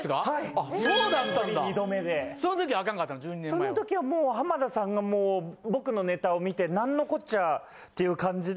その時はもう浜田さんがもう僕のネタを見てなんのこっちゃっていう感じで。